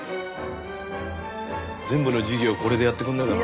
全部の授業これでやってくれないかな。